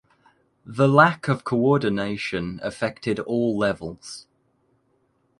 The lack of coordination affected all levels.